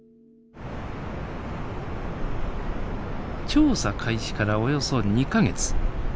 調査開始からおよそ２か月。